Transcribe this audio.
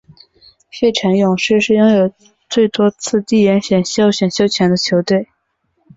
费城勇士是拥有最多次地缘选秀选秀权的球队。